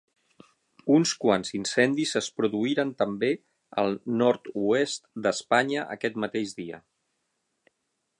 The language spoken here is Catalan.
Uns quants incendis es produïren també al nord-oest d'Espanya aquest mateix dia.